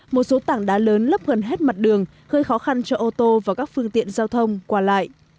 một số tảng đá lớn lấp gần hết mặt đường gây khó khăn cho ô tô và các phương tiện giao thông qua lại